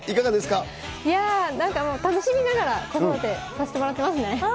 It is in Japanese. いや、なんかもう楽しみながら、子育てさせてもらってますね。